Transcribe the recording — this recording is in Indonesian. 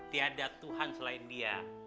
tidak ada tuhan selain dia